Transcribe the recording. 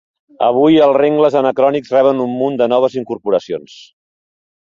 Avui els rengles anacrònics reben un munt de noves incorporacions.